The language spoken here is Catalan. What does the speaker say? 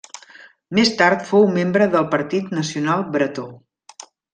Més tard fou membre del Partit Nacional Bretó.